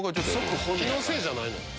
気のせいじゃないの？